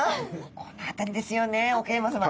この辺りですよね奥山さま。